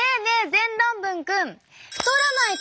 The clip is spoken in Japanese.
全論文くん。